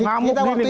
enggak ada tuh